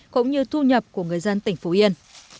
cũng như thu nhập của người dân tỉnh phú yên